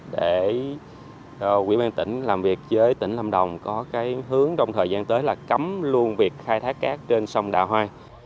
để quỹ ban tỉnh làm việc với tỉnh lâm đồng có cái hướng trong thời gian tới là cấm luôn việc khai thác cát trên sông đà hoa